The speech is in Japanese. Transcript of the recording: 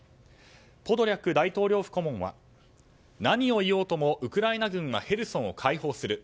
ポドリャク大統領府顧問は何を言おうともウクライナ軍はヘルソンを解放する。